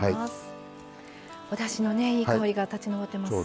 おだしのねいい香りが立ち上ってます。